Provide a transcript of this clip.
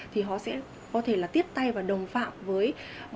thì họ sẽ có thể là tiếp tay vào đồng phạm với